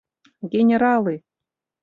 Генералы...